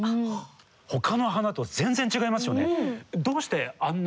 ほかの花と全然違いますよね。